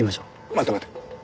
待て待て。